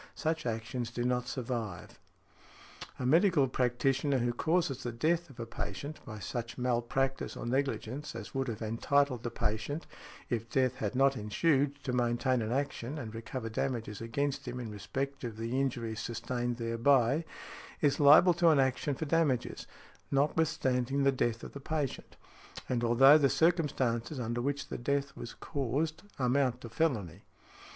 Such actions do not survive . A medical practitioner who causes the death of a patient by such malpractice or negligence as would have entitled the patient (if death had not ensued) to maintain an action and recover damages against him in respect of the injury sustained thereby, is liable to an action for damages, notwithstanding the death of the patient, and although the circumstances under which the death was caused amount to felony.